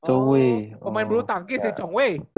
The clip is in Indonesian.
oh main bulu tangkis ya cong wei